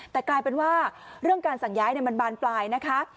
แต่กลายเป็นว่าเรื่องการสั่งย้ายมันบานปลายนะคะ